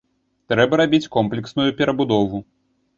Трэба рабіць комплексную перабудову.